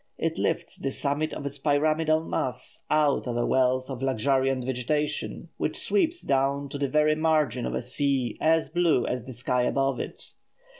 It lifts the summit of its pyramidal mass out of a wealth of luxuriant vegetation, which sweeps down to the very margin of a sea as blue as the sky above it.